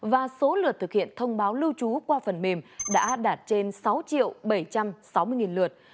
và số lượt thực hiện thông báo lưu trú qua phần mềm đã đạt trên sáu bảy trăm sáu mươi lượt